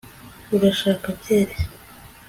urashaka byeri